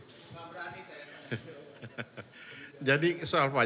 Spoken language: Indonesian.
bukan berani saya nanya soal pajak